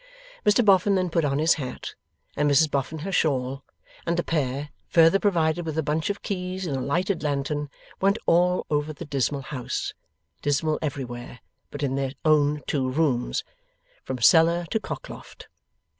Mr Boffin then put on his hat, and Mrs Boffin her shawl; and the pair, further provided with a bunch of keys and a lighted lantern, went all over the dismal house dismal everywhere, but in their own two rooms from cellar to cock loft.